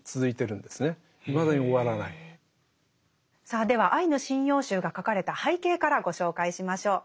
さあでは「アイヌ神謡集」が書かれた背景からご紹介しましょう。